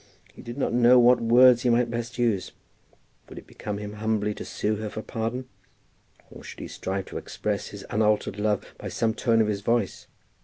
He did not know what words he might best use. Would it become him humbly to sue to her for pardon? Or should he strive to express his unaltered love by some tone of his voice?